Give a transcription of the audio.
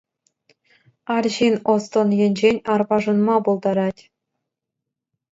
Арҫын ӑс-тӑн енчен арпашӑнма пултарать.